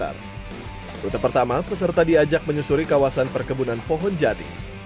rute pertama peserta diajak menyusuri kawasan perkebunan pohon jati